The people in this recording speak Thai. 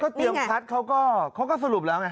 เตรียมพัดเขาก็สรุปแล้วไง